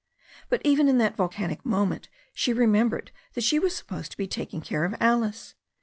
But even in that volcanic moment she remembered that she was sup posed to be taking care of Alice.